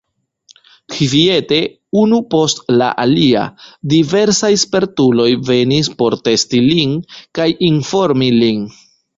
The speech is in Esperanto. Kviete, unu post la alia, diversaj spertuloj venis por testi lin kaj informi lin.